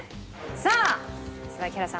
さあ椿原さん